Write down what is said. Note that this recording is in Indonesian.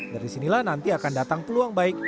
dari sinilah nanti akan datang peluang baik